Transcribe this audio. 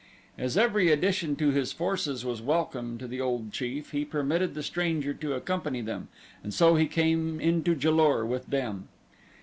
As every addition to his forces was welcome to the old chief he permitted the stranger to accompany them, and so he came into Ja lur with them.